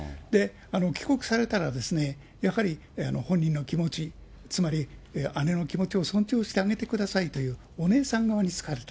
帰国されたら、やはり本人の気持ち、つまり、姉の気持ちを尊重してあげてくださいというお姉さん側につかれた。